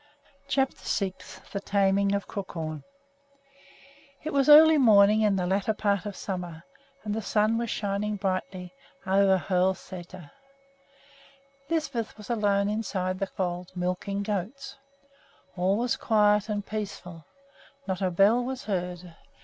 CHAPTER VI THE TAMING OF CROOKHORN It was early morning in the latter part of the summer, and the sun was shining brightly over Hoel Sæter. Lisbeth was alone inside the fold, milking goats. All was quiet and peaceful. Not a bell was heard.